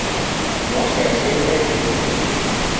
Nos es sempre ci.